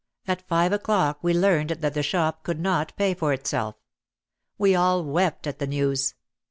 At five o'clock we learned that the shop could not pay for itself. We all wept at the news.